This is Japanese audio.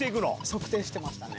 側転してましたね。